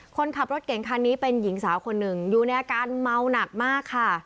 คนขับรถเก่งคันนี้เป็นหญิงสาวคนหนึ่งอยู่ในอาการเมาหนักมากค่ะ